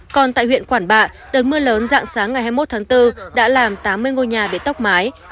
còn tại huyện quản bạ đợt mưa lớn dạng sáng ngày hai mươi một tháng bốn đã làm tám mươi ngôi nhà bị tốc mái